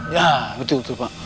ya betul betul pak